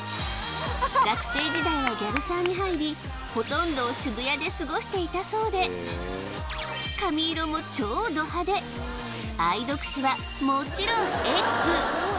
学生時代はギャルサーに入りほとんどを渋谷で過ごしていたそうで髪色も超ド派手愛読誌はもちろん「ｅｇｇ」